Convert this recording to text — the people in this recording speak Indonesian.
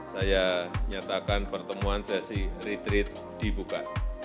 saya nyatakan pertemuan sesi retreat dibuka